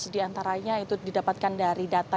dua ratus tiga belas diantaranya itu didapatkan dari data